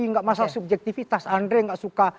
enggak masalah subjektivitas andre enggak suka